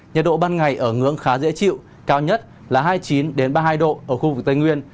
nhiệt độ ban ngày ở ngưỡng khá dễ chịu cao nhất là hai mươi chín ba mươi hai độ ở khu vực tây nguyên